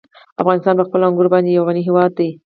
افغانستان په خپلو انګورو باندې یو غني هېواد دی.